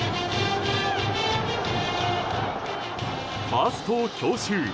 ファーストを強襲。